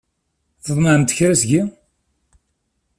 Tḍemɛemt kra seg-i?